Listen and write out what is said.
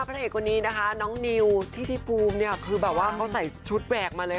พระเอกคนนี้นะคะน้องนิวที่พี่ภูมิเนี่ยคือแบบว่าเขาใส่ชุดแหวกมาเลย